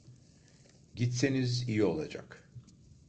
Gitseniz iyi olacak.